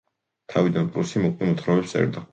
თავიდან პრუსი მოკლე მოთხრობებს წერდა.